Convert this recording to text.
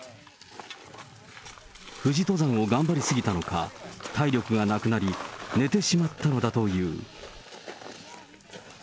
富士登山を頑張り過ぎたのか、体力がなくなり、寝てしまったのだという。